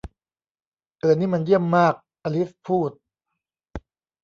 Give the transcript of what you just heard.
'เอ่อนี่มันเยี่ยมมาก ! ' อลิซพูด